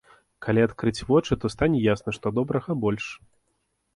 Калі адкрыць вочы, то стане ясна, што добрага больш.